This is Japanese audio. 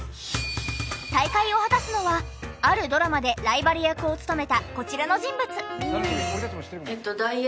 再会を果たすのはあるドラマでライバル役を務めたこちらの人物。